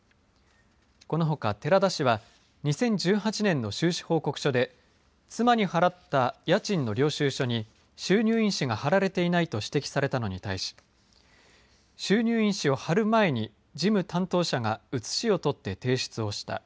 このほか、寺田氏は２０１８年の収支報告書で妻に払った家賃の領収書に収入印紙が貼られていないと指摘されたのに対し収入印紙を貼る前に事務担当者が写しをとって提出をした。